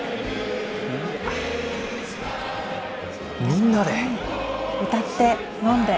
みんなで。